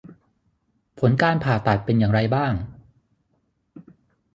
ผลการผ่าตัดเป็นอย่างไรบ้าง